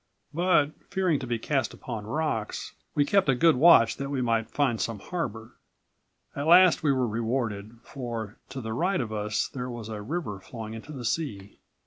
"But fearing to be cast upon rocks, we kept119 a good watch that we might find some harbor. At last we were rewarded, for to the right of us there was a river flowing into the sea.